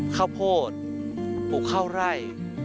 ข้าวโพดปลูกข้าวไร่